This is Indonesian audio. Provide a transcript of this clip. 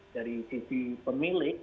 dari sisi pemilik